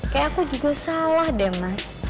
kayak aku juga salah deh mas